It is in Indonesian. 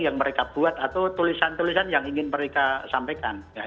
yang mereka buat atau tulisan tulisan yang ingin mereka sampaikan